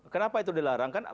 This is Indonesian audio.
kenapa itu dilarang